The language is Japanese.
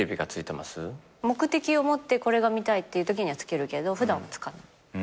目的を持ってこれが見たいっていうときにはつけるけど普段はつかない。